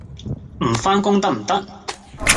唔返工得唔得？